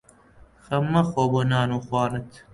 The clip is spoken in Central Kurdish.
خەم مەخۆ بۆ نان و خوانت